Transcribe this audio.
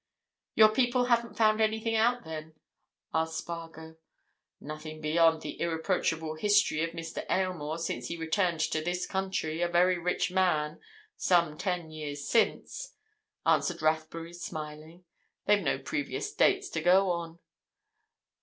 "Your people haven't found anything out, then?" asked Spargo. "Nothing beyond the irreproachable history of Mr. Aylmore since he returned to this country, a very rich man, some ten years since," answered Rathbury, smiling. "They've no previous dates to go on.